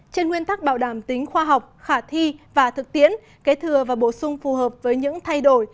trên nguyên tắc bảo đảm tính khoa học khả thi và thực tiến kế thừa và bổ sung phù hợp với những thay đổi